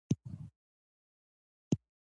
نړۍ له بې شمېره داسې فرصتونو څخه ډکه ده